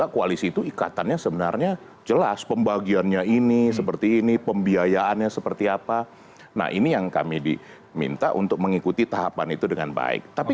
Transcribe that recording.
kami di pks dan nasdem insya allah akan banyak titik titik temu